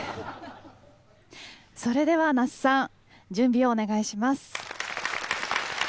それではＮａｓｕさん準備をお願いします。